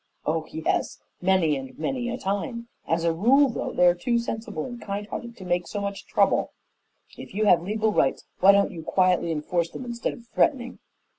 "Oh, yes! Many and many a time. As a rule, though, they are too sensible and kind hearted to make so much trouble." "If you have legal rights, why don't you quietly enforce them instead of threatening?"